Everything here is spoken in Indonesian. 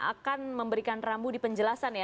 akan memberikan rambu di penjelasan ya